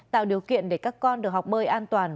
tạo điều kiện để các con được học bơi an toàn